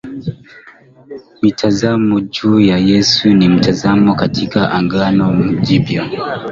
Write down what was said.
Mitazamo juu ya Yesu ni mitazamo katika Agano Jipya